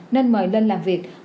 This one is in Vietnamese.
nên mời lên làm việc